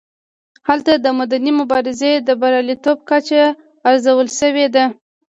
هلته د مدني مبارزې د بریالیتوب کچه ارزول شوې ده.